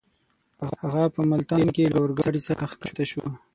هغه په ملتان کې له اورګاډۍ څخه کښته شو.